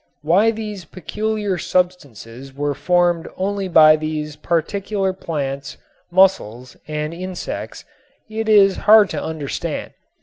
Why these peculiar substances were formed only by these particular plants, mussels and insects it is hard to understand.